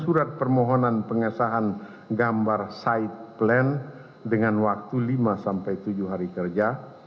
surat permohonan pengesahan gambar side plan dengan waktu lima sampai tujuh hari kerja